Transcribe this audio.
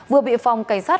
vừa bị phòng cảnh sát